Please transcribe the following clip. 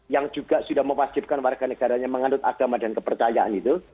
yang juga sudah mewajibkan warga negaranya menganut agama dan kepercayaan itu